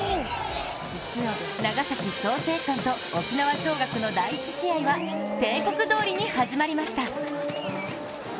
長崎・創成館と沖縄尚学の第１試合は定刻通りに始まりました。